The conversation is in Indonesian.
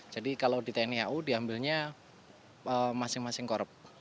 jadi kalau di tni au diambilnya masing masing korup